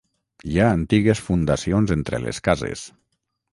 Hi ha antigues fundacions entre les cases.